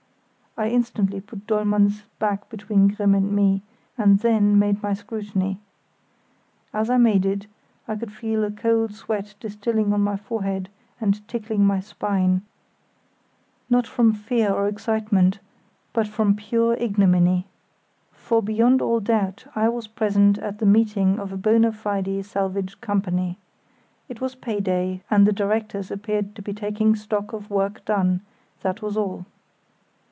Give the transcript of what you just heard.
I instantly put Dollmann's back between Grimm and me, and then made my scrutiny. As I made it, I could feel a cold sweat distilling on my forehead and tickling my spine; not from fear or excitement, but from pure ignominy. For beyond all doubt I was present at the meeting of a bona fide salvage company. It was pay day, and the directors appeared to be taking stock of work done; that was all.